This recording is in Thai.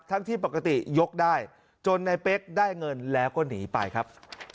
ที่ปกติยกได้จนในเป๊กได้เงินแล้วก็หนีไปครับ